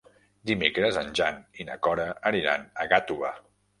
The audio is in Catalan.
Dimecres en Jan i na Cora aniran a Gàtova.